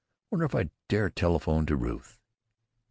Wonder if I dare telephone to Ruth?"